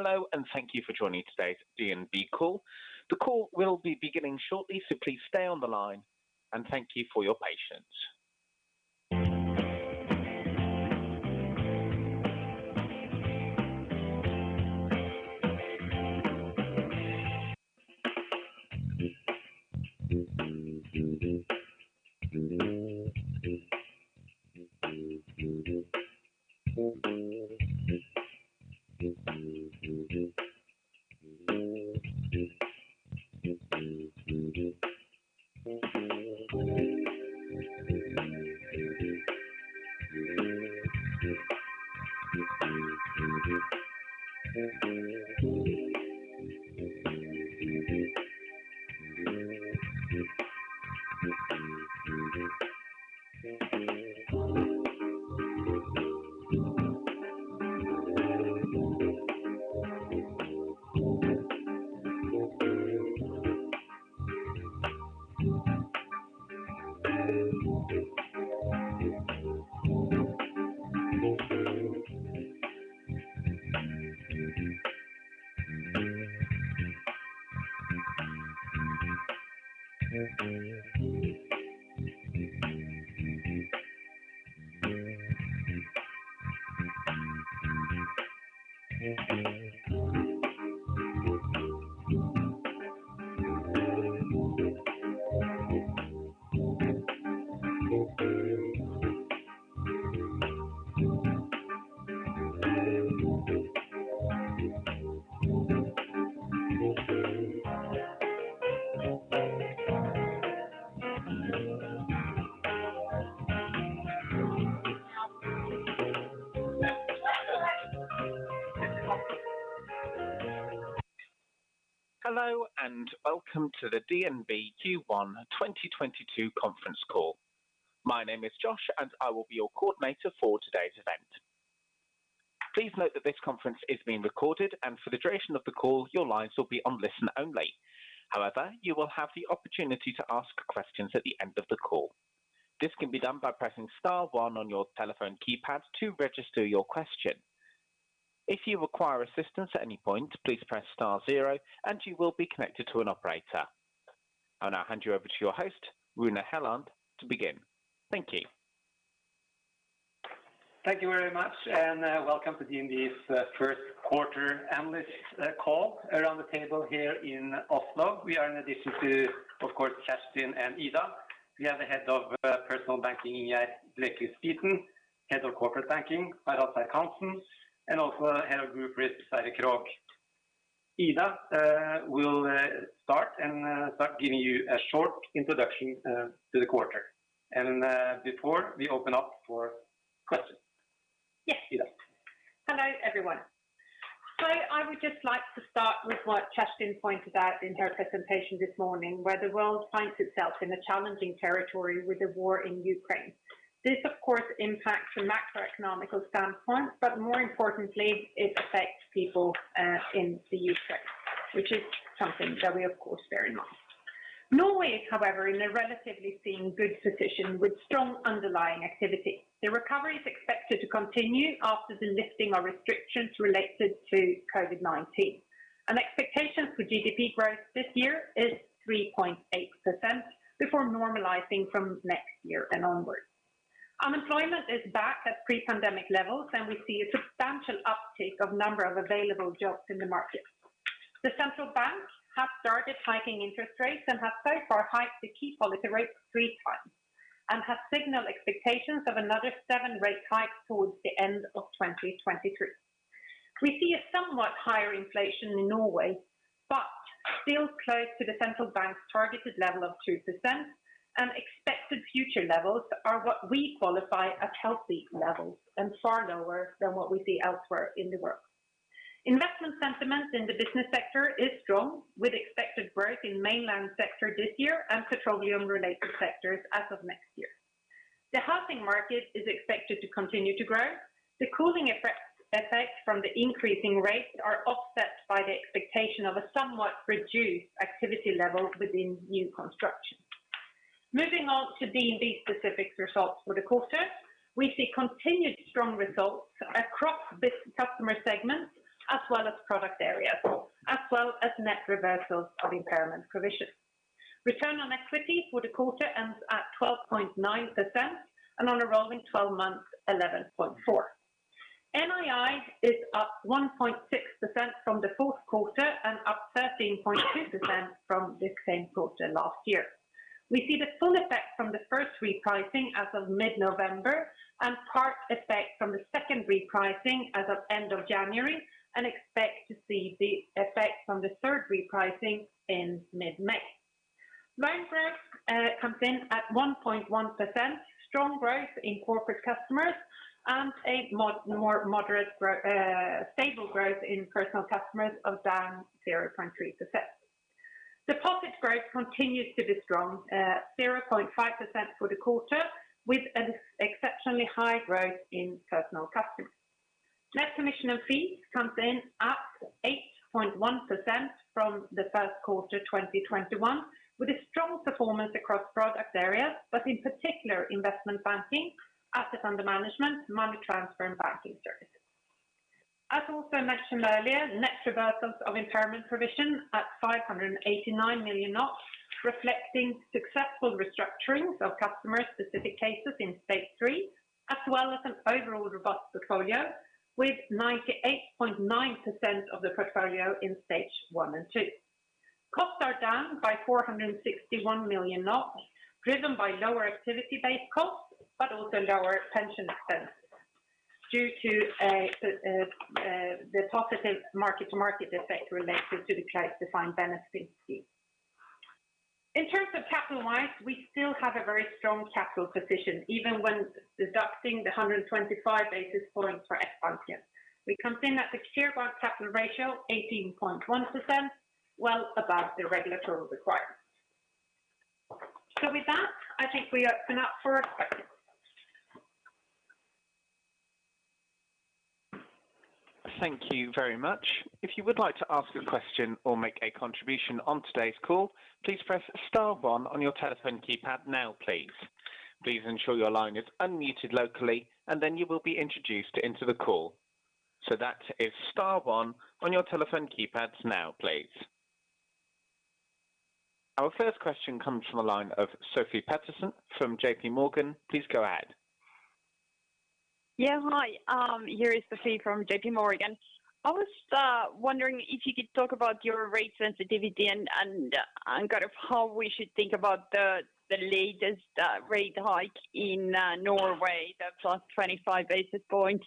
Hello, and thank you for joining today's DNB call. The call will be beginning shortly, so please stay on the line and thank you for your patience. Hello, and welcome to the DNB Q1 2022 conference call. My name is Josh, and I will be your coordinator for today's event. Please note that this conference is being recorded, and for the duration of the call, your lines will be on listen-only. However, you will have the opportunity to ask questions at the end of the call. This can be done by pressing star one on your telephone keypad to register your question. If you require assistance at any point, please press star zero and you will be connected to an operator. I'll now hand you over to your host, Rune Helland, to begin. Thank you. Thank you very much, and welcome to DNB's first quarter analyst call. Around the table here in Oslo, we are in addition to, of course, Kjerstin and Ida. We have the head of personal banking, Ingjerd Blekeli Spiten, head of corporate banking, Harald Serck-Hanssen, and also head of group risk, Sverre Krog. Ida will start giving you a short introduction to the quarter and before we open up for questions. Yes, Ida. Hello, everyone. I would just like to start with what Kjerstin pointed out in her presentation this morning, where the world finds itself in a challenging territory with the war in Ukraine. This of course impacts the macroeconomic standpoint, but more importantly, it affects people in the Ukraine. Norway is, however, in a relatively seen good position with strong underlying activity. The recovery is expected to continue after the lifting of restrictions related to COVID-19, and expectations for GDP growth this year is 3.8% before normalizing from next year and onwards. Unemployment is back at pre-pandemic levels, and we see a substantial uptake of number of available jobs in the market. The central bank has started hiking interest rates and has so far hiked the key policy rate three times and has signaled expectations of another seven rate hikes towards the end of 2023. We see a somewhat higher inflation in Norway, but still close to the central bank's targeted level of 2% and expected future levels are what we qualify as healthy levels and far lower than what we see elsewhere in the world. Investment sentiment in the business sector is strong, with expected growth in mainland sector this year and petroleum related sectors as of next year. The housing market is expected to continue to grow. The cooling effect from the increasing rates are offset by the expectation of a somewhat reduced activity level within new construction. Moving on to DNB specific results for the quarter, we see continued strong results across customer segments as well as product areas, as well as net reversals of impairment provisions. Return on equity for the quarter ends at 12.9% and on a rolling 12 months, 11.4%. NII is up 1.6% from the fourth quarter and up 13.2% from the same quarter last year. We see the full effect from the first repricing as of mid-November and part effect from the second repricing as of end of January and expect to see the effects from the third repricing in mid-May. Loan growth comes in at 1.1%. Strong growth in corporate customers and a more moderate, stable growth in personal customers of down 0.3%. Deposit growth continues to be strong, 0.5% for the quarter with an exceptionally high growth in personal customers. Net commissions and fees comes in up 8.1% from the first quarter 2021, with a strong performance across product areas, but in particular investment banking, assets under management, money transfer, and banking services. As also mentioned earlier, net reversals of impairment provision at 589 million, reflecting successful restructurings of customer-specific cases in stage three, as well as an overall robust portfolio with 98.9% of the portfolio in stage one and two. Costs are down by 461 million, driven by lower activity-based costs, but also lower pension expenses due to the positive mark-to-market effect related to the defined benefit scheme. In terms of capital wise, we still have a very strong capital position, even when deducting the 125 basis points for Sbanken. We come in at the Tier 1 capital ratio 18.1%, well above the regulatory requirements. With that, I think we open up for questions. Thank you very much. If you would like to ask a question or make a contribution on today's call, please press star one on your telephone keypad now, please. Please ensure your line is unmuted locally and then you will be introduced into the call. That is star one on your telephone keypads now, please. Our first question comes from the line of Sofie Peterzens from J.P. Morgan. Please go ahead. Yeah, hi. This is Sofie from J.P. Morgan. I was wondering if you could talk about your rate sensitivity and kind of how we should think about the latest rate hike in Norway, the +25 basis points.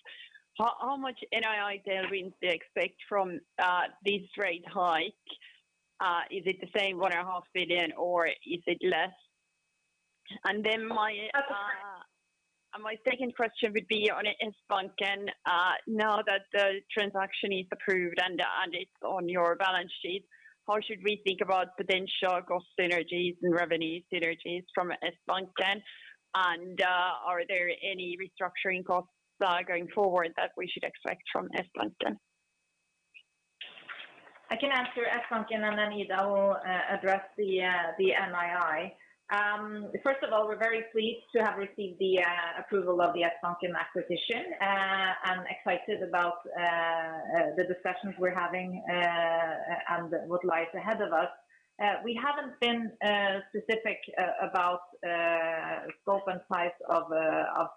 How much NII tailwinds do you expect from this rate hike? Is it the same 1.5 billion or is it less? Then my- That's okay. My second question would be on Sbanken. Now that the transaction is approved and it's on your balance sheet, how should we think about potential cost synergies and revenue synergies from Sbanken? Are there any restructuring costs going forward that we should expect from Sbanken? I can answer Sbanken, and then Ida will address the NII. First of all, we're very pleased to have received the approval of the Sbanken acquisition and excited about the discussions we're having and what lies ahead of us. We haven't been specific about scope and size of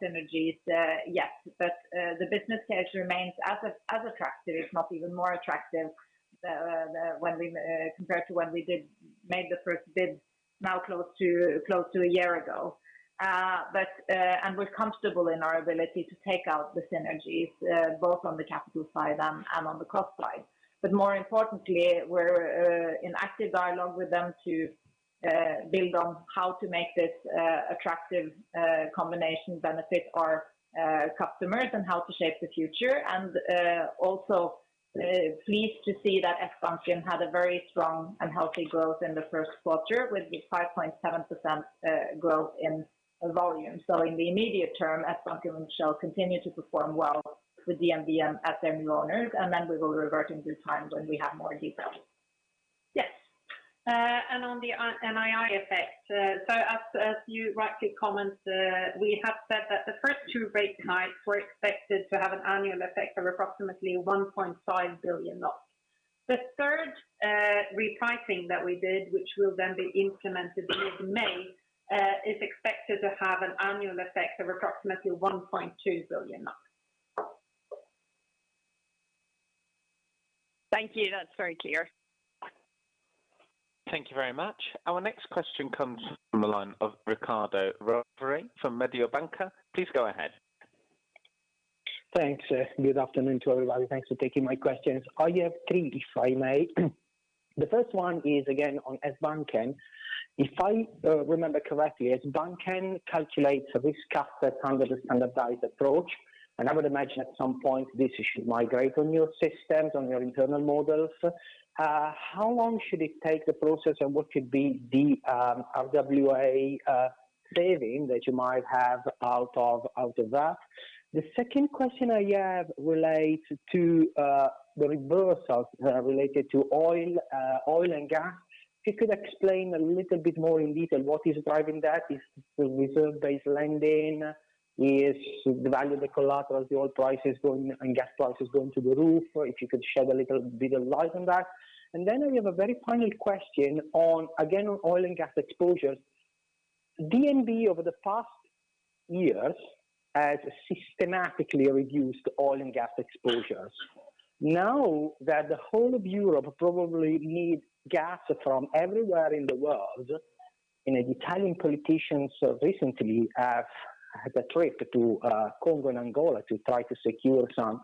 synergies, yes. The business case remains as attractive, if not even more attractive, when we compared to when we did made the first bid now close to a year ago. We're comfortable in our ability to take out the synergies both on the capital side and on the cost side. More importantly, we're in active dialogue with them to build on how to make this attractive combination benefit our customers and how to shape the future. Also pleased to see that Sbanken had a very strong and healthy growth in the first quarter with 5.7% growth in volume. In the immediate term, Sbanken shall continue to perform well with DNB at their new owners, and then we will revert in due time when we have more details. Yes. On the NII effect, as you rightly comment, we have said that the first two rate hikes were expected to have an annual effect of approximately 1.5 billion. The third repricing that we did, which will then be implemented in May, is expected to have an annual effect of approximately 1.2 billion. Thank you. That's very clear. Thank you very much. Our next question comes from the line of Riccardo Rovere from Mediobanca. Please go ahead. Thanks. Good afternoon to everybody. Thanks for taking my questions. I have three, if I may. The first one is again on Sbanken. If I remember correctly, Sbanken calculates risk assets under the standardized approach, and I would imagine at some point this should migrate on your systems, on your internal models. How long should it take the process and what should be the RWA saving that you might have out of that? The second question I have relates to the reversals related to oil and gas. If you could explain a little bit more in detail what is driving that. Is the reserve-based lending? Is the value of the collaterals, the oil prices going and gas prices going through the roof? If you could shed a little bit of light on that. Then I have a very final question on, again, oil and gas exposures. DNB over the past years has systematically reduced oil and gas exposures. Now that the whole of Europe probably need gas from everywhere in the world, and an Italian politician so recently had a trip to Congo and Angola to try to secure some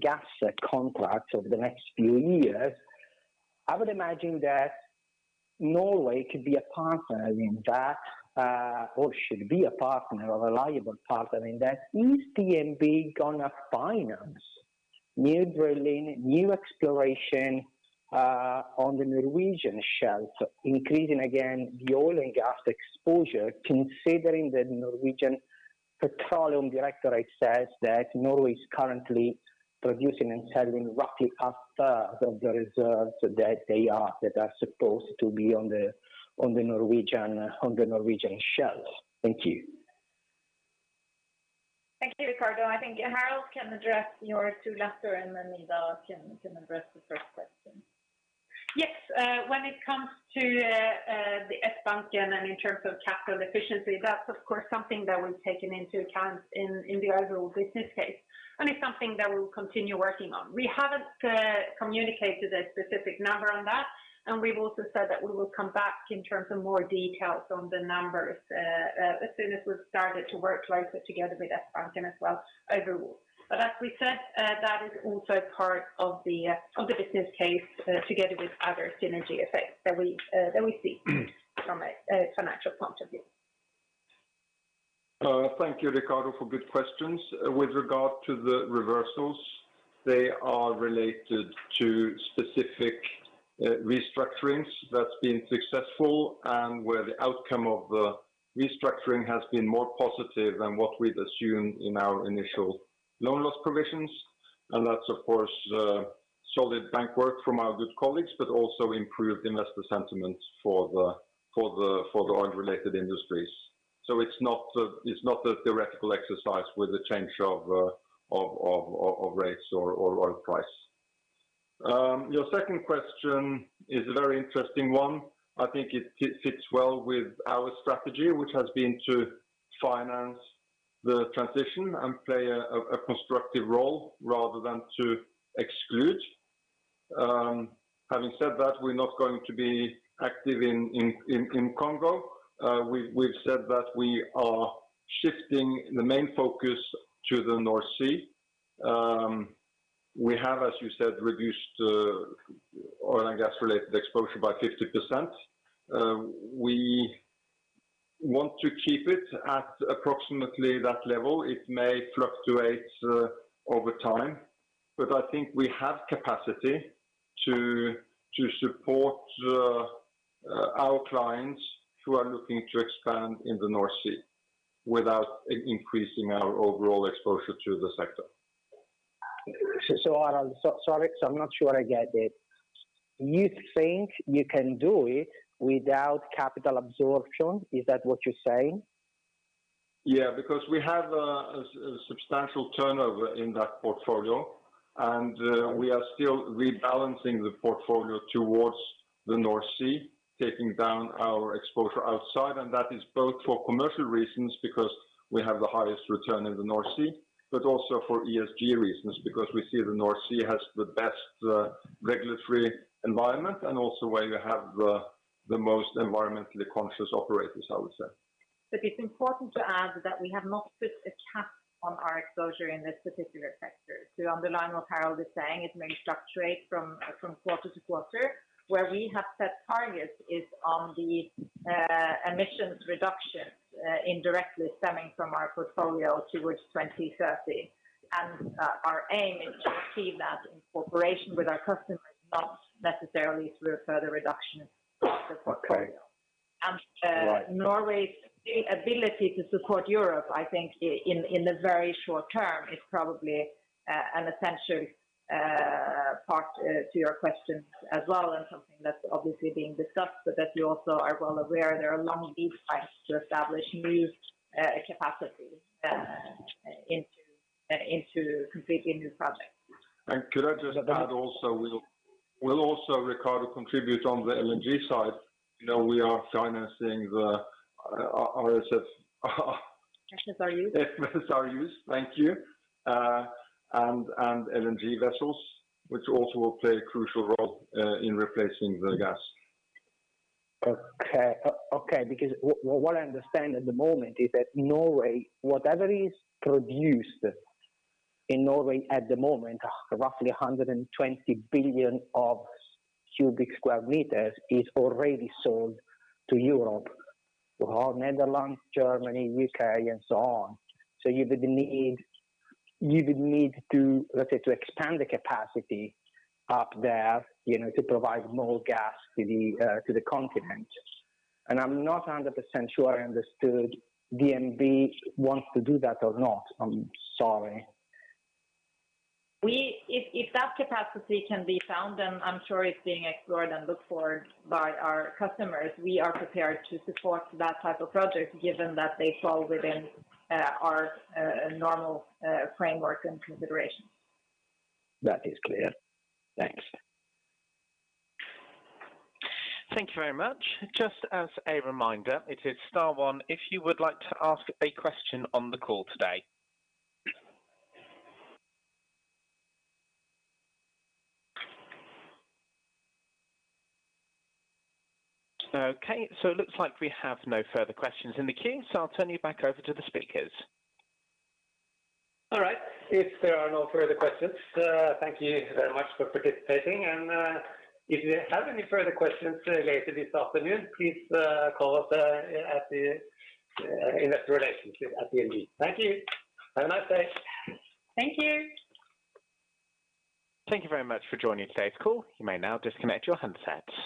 gas contracts over the next few years. I would imagine that Norway could be a partner in that, or should be a partner or a reliable partner in that. Is DNB gonna finance new drilling, new exploration on the Norwegian shelf, increasing again the oil and gas exposure, considering the Norwegian Petroleum Directorate says that Norway is currently producing and selling roughly a third of the reserves that are supposed to be on the Norwegian shelf. Thank you. Thank you, Ricardo. I think Harald can address your two latter, and then Ida can address the first question. Yes, when it comes to the Sbanken and in terms of capital efficiency, that's of course something that we've taken into account in the overall business case, and it's something that we'll continue working on. We haven't communicated a specific number on that, and we've also said that we will come back in terms of more details on the numbers as soon as we've started to work closer together with Sbanken as well overall. As we said, that is also part of the business case together with other synergy effects that we see from a financial point of view. Thank you, Ricardo, for good questions. With regard to the reversals, they are related to specific restructurings that's been successful and where the outcome of the restructuring has been more positive than what we'd assumed in our initial loan loss provisions. That's, of course, solid bank work from our good colleagues, but also improved investor sentiments for the oil-related industries. It's not the theoretical exercise with the change of rates or oil price. Your second question is a very interesting one. I think it fits well with our strategy, which has been to finance the transition and play a constructive role rather than to exclude. Having said that, we're not going to be active in Congo. We've said that we are shifting the main focus to the North Sea. We have, as you said, reduced oil and gas related exposure by 50%. We want to keep it at approximately that level. It may fluctuate over time, but I think we have capacity to support our clients who are looking to expand in the North Sea without increasing our overall exposure to the sector. Harald, sorry. I'm not sure I get it. You think you can do it without capital absorption? Is that what you're saying? Yeah, because we have a substantial turnover in that portfolio, and we are still rebalancing the portfolio towards the North Sea, taking down our exposure outside. That is both for commercial reasons, because we have the highest return in the North Sea, but also for ESG reasons because we see the North Sea has the best regulatory environment and also where you have the most environmentally conscious operators, I would say. It's important to add that we have not put a cap on our exposure in this particular sector. To underline what Harald is saying, it may fluctuate from quarter-to-quarter. Where we have set targets is on the emissions reductions indirectly stemming from our portfolio towards 2030. Our aim is to achieve that in cooperation with our customers, not necessarily through a further reduction in the portfolio. Okay. Right. Norway's ability to support Europe, I think, in the very short term is probably an essential part to your question as well, and something that's obviously being discussed, but that you also are well aware there are long lead times to establish new capacity into completely new projects. Could I just add also we'll also, Ricardo, contribute on the LNG side. You know, we are financing the, our SF- FSRUs. FSRUs, thank you. LNG vessels, which also will play a crucial role in replacing the gas. Okay. Okay, because what I understand at the moment is that Norway, whatever is produced in Norway at the moment, roughly 120 billion cubic meters, is already sold to Europe, to Holland, Netherlands, Germany, UK, and so on. You would need to, let's say, expand the capacity up there, you know, to provide more gas to the continent. I'm not 100% sure I understood DNB wants to do that or not. I'm sorry. If that capacity can be found, and I'm sure it's being explored and looked for by our customers, we are prepared to support that type of project, given that they fall within our normal framework and consideration. That is clear. Thanks. Thank you very much. Just as a reminder, it is star one if you would like to ask a question on the call today. Okay, it looks like we have no further questions in the queue, so I'll turn you back over to the speakers. All right. If there are no further questions, thank you very much for participating. If you have any further questions later this afternoon, please call us at investor relations at DNB. Thank you. Have a nice day. Thank you. Thank you very much for joining today's call. You may now disconnect your handsets.